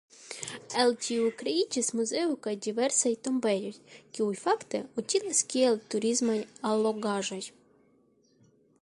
El tio kreiĝis muzeo kaj diversaj tombejoj, kiuj fakte utilas kiel turismaj allogaĵoj.